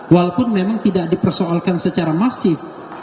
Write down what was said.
walaupun memang tidak dipersoalkan secara masif